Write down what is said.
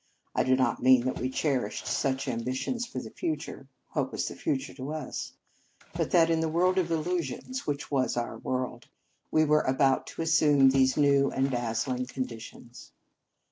I do not mean that we cherished such ambi tions for the future, what was the future to us ? but that in the world of illusions, which was our world, we were about to assume these new and dazzling conditions.